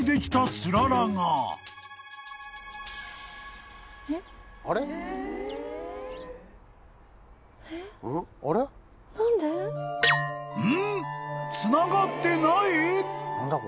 つながってない！？］